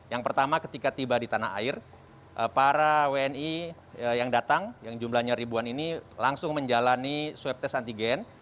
yang pertama ketika tiba di tanah air para wni yang datang yang jumlahnya ribuan ini langsung menjalani swab tes antigen